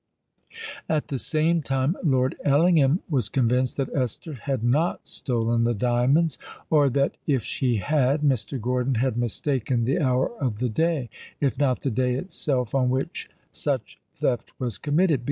At the same time, Lord Ellingham was convinced that Esther had not stolen the diamonds; or that, if she had, Mr. Gordon had mistaken the hour of the day, if not the day itself, on which such theft was committed.